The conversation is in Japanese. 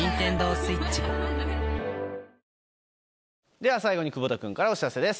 では最後に窪田くんからお知らせです。